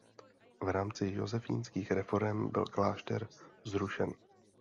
V rámci josefínských reforem byl klášter zrušen.